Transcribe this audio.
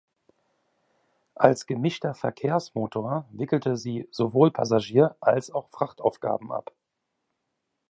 Als gemischter Verkehrsmotor wickelte sie sowohl Passagier- als auch Frachtaufgaben ab.